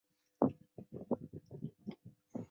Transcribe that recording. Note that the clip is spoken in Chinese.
马凯也是一位诗人。